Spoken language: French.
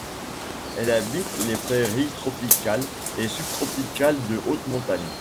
Elle habite les prairies tropicales et subtropicales de haute montagne.